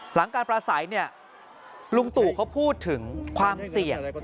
หลังการประสัยเนี่ยลุงตู่เขาพูดถึงความเสี่ยง